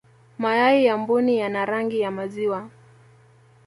mayai ya mbuni yana rangi ya maziwa